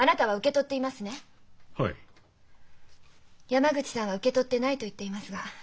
山口さんは「受け取ってない」と言っていますが。